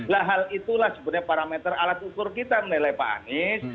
lah hal itulah sebenarnya parameter alat ukur kita menilai pak anies